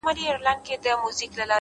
زما خبرو ته لا نوري چیغي وکړه!!